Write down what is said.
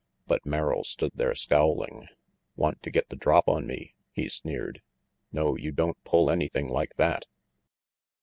But Merrill stood there scowling. " Want to get the drop on me? " he sneered. "No, you don't pull anything like that."